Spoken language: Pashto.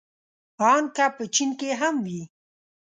ان که په چين کې هم وي.